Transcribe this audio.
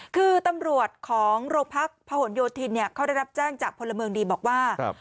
คือตำรวจของโรงพักพหนโยธินเนี่ยเขาได้รับแจ้งจากพลเมืองดีบอกว่า